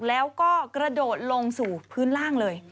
แล้วก็กระโดดลงสู่พื้นล่างเลย